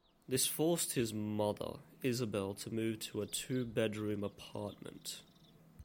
This forced his mother, Isabel to move to a two-bedroom apartment.